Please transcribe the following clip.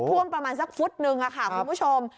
ท่วมประมาณสักฟุตนึงค่ะคุณผู้ชม